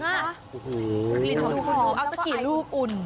กลิ่นของลูกอ่อเอาสักกี่ลูกอุ่น